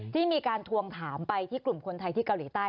ที่มีการทวงถามไปที่กลุ่มคนไทยที่เกาหลีใต้